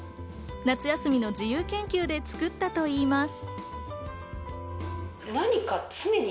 夏休みの自由研究で作ったといいます。